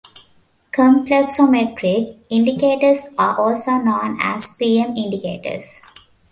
Complexometric indicators are also known as pM indicators.